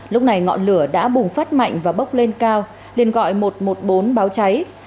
lúc này ngọn lửa đã bùng phát mạnh và bốc lên cao liền gọi một trăm một mươi bốn báo cháy